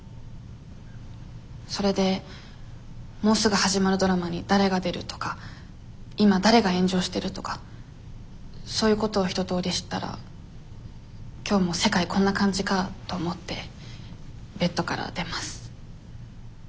それでもうすぐ始まるドラマに誰が出るとか今誰が炎上してるとかそういうことを一とおり知ったら今日も世界こんな感じかと思ってベッドから出ます。